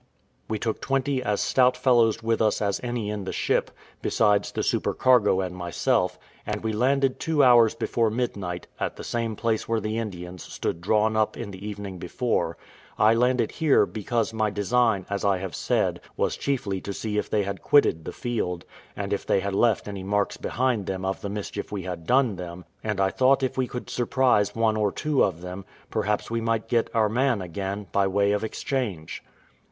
We took twenty as stout fellows with us as any in the ship, besides the supercargo and myself, and we landed two hours before midnight, at the same place where the Indians stood drawn up in the evening before. I landed here, because my design, as I have said, was chiefly to see if they had quitted the field, and if they had left any marks behind them of the mischief we had done them, and I thought if we could surprise one or two of them, perhaps we might get our man again, by way of exchange.